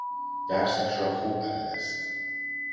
درسش را خوب بلد است.